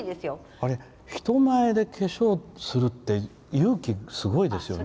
あれ、人前で化粧するって勇気すごいですよね。